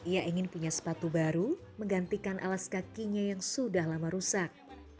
ia ingin punya sepatu baru menggantikan alas kakinya yang sudah lama rusak